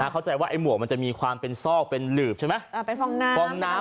เขาใจว่า๒๐๐๖มันจะมีความเป็นซอกเป็นหหลืบใช่ไหม